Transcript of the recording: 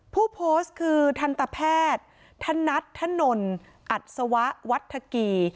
ผู้โพสต์คือทันตแพทย์ธนัทธนนอัศวะวัฒกี